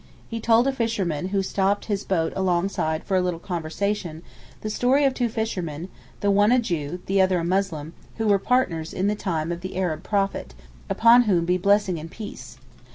He told a fisherman, who stopped his boat alongside for a little conversation, the story of two fishermen, the one a Jew, the other a Muslim, who were partners in the time of the Arab Prophet (upon whom be blessing and peace!).